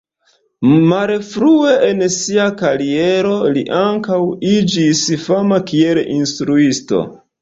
Malfrue en sia kariero li ankaŭ iĝis fama kiel instruisto.